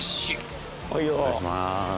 お願いします。